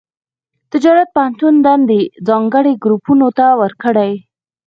تجارت پوهنتون دندې ځانګړي ګروپونو ته ورکړي.